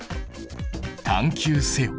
探究せよ！